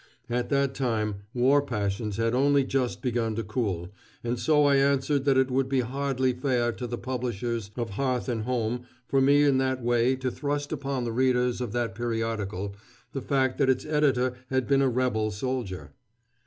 At that time war passions had only just begun to cool, and so I answered that it would be hardly fair to the publishers of Hearth and Home for me in that way to thrust upon the readers of that periodical the fact that its editor had been a Rebel soldier.